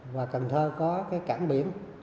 và cần thơ có cái cảng biển